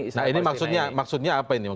nah ini maksudnya apa ini